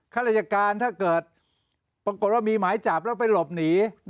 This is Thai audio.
ข้าราชการถ้าเกิดปรากฏว่ามีหมายจับแล้วไปหลบหนี